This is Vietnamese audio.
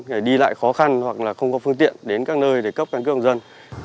để đi lại khó khăn hoặc là không có phương tiện đến các nơi để cấp căn cước công dân